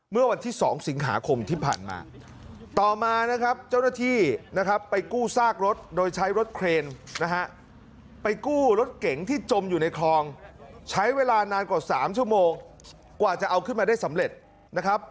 เมื่อวันที่๒สิงหาคมที่ผ่านมาต่อมานะครับเจ้าหน้าที่นะครับไปกู้ซากรถโดยใช้รถเครนนะฮะไปกู้รถเก๋งที่จมอยู่ในคลองใช้เวลานานกว่า๓ชั่วโมงกว่าจะเอาขึ้นมาได้สำเร็จนะครับ